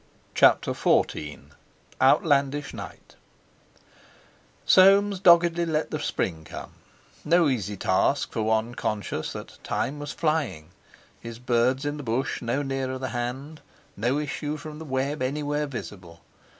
CHAPTER XIV OUTLANDISH NIGHT Soames doggedly let the spring come—no easy task for one conscious that time was flying, his birds in the bush no nearer the hand, no issue from the web anywhere visible.